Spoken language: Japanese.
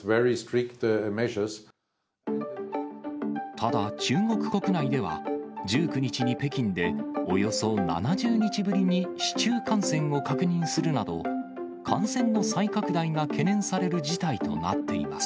ただ中国国内では、１９日に北京でおよそ７０日ぶりに市中感染を確認するなど、感染の再拡大が懸念される事態となっています。